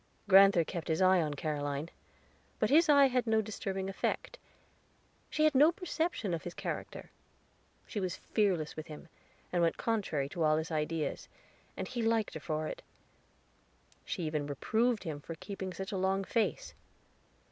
Grand'ther kept his eye on Caroline; but his eye had no disturbing effect. She had no perception of his character; was fearless with him, and went contrary to all his ideas, and he liked her for it. She even reproved him for keeping such a long face.